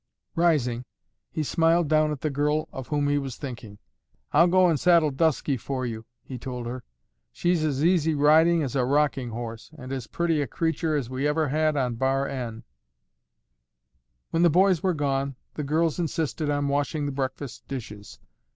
Rising, he smiled down at the girl of whom he was thinking. "I'll go and saddle Dusky for you," he told her. "She's as easy riding as a rocking horse and as pretty a creature as we ever had on Bar N." When the boys were gone, the girls insisted on washing the breakfast dishes.